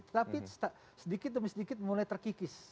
tapi sedikit demi sedikit mulai terkikis